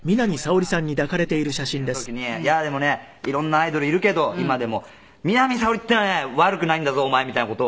父親がたまにね食事の時にでもねいろんなアイドルいるけど今でも南沙織っていうのはね悪くないんだぞお前みたいな事を」